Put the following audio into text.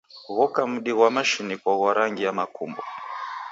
Ghoka ni mdi ghwa mashiniko ghwa rangi ya makumbo.